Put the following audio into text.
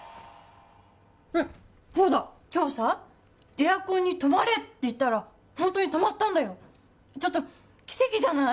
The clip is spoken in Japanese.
エアコンに「止まれ」って言ったらホントに止まったんだよちょっと奇跡じゃない？